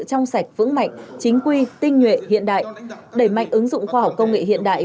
trong sạch vững mạnh chính quy tinh nhuệ hiện đại đẩy mạnh ứng dụng khoa học công nghệ hiện đại